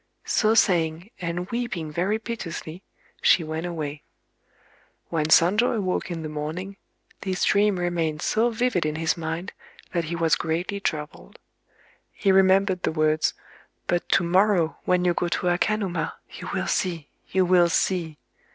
So saying, and weeping very piteously, she went away. When Sonjō awoke in the morning, this dream remained so vivid in his mind that he was greatly troubled. He remembered the words:—"But to morrow, when you go to Akanuma, you will see,—you will see."